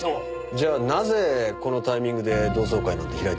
じゃあなぜこのタイミングで同窓会なんて開いたんです？